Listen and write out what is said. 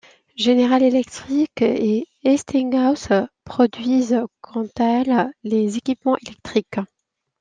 General Electric et Westinghouse produisent quant à elles les équipements électriques.